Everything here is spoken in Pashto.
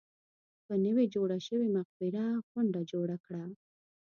پر نوې جوړه شوې مقبره غونډه جوړه کړه.